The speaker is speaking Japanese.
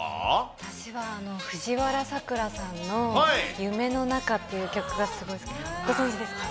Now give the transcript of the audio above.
私はふじわらさくらさんのゆめのなかっていう曲がすごい好きで、ご存じですか？